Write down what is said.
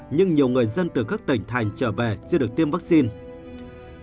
nhưng nhiều người dân từ các tỉnh thành trở về chưa được tiêm vaccine